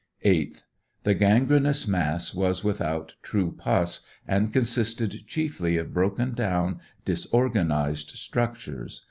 8th. The gangrenous mass was without true puss, and consisted chiefly of broken down, disorganized structures.